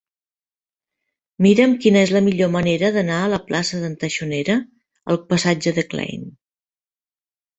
Mira'm quina és la millor manera d'anar de la plaça d'en Taxonera al passatge de Klein.